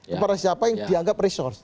kepada siapa yang dianggap resource